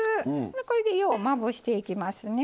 これでようまぶしていきますね。